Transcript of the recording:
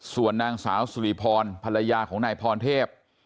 ส่วนนางสาวสุริพรภรรยาของนายพรเทพ